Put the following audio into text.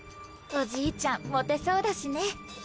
おじいちゃんモテそうだしね。